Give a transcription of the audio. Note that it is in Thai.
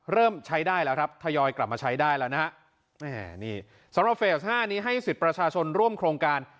เริ่มใช้ได้แล้วครับทยอยกลับมาใช้ได้แล้วนะฮะแม่นี่สำหรับเฟส๕นี้ให้สิทธิ์ประชาชนร่วมโครงการ